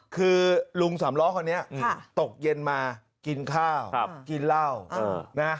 คือลุงสำล้อคนนี้ตกเย็นมากินข้าวกินเหล้านะฮะ